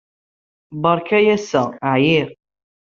Beṛka-iyi ass-a. ɛyiɣ.